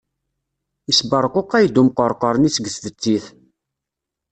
Isberquqay-d umqerqur-nni seg tbettit.